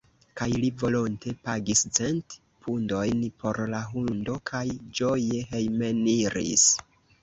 Kaj li volonte pagis cent pundojn por la hundo, kaj ĝoje hejmeniris.